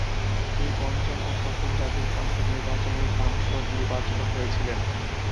তিনি পঞ্চম ও সপ্তম জাতীয় সংসদ নির্বাচনে সাংসদ নির্বাচিত হয়েছিলেন।